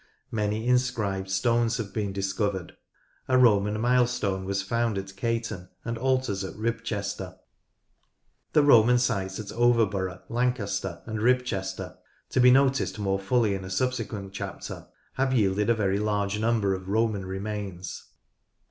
Many inscribed stones have been discovered; a Roman milestone was found at Caton, and altars at Ribchester. The Roman sites at Overborough, Lancaster, and Ribchester, to be noticed more fully in a subsequent chapter, have yielded a very large number of Roman remains.